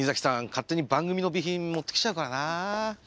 勝手に番組の備品持ってきちゃうからな。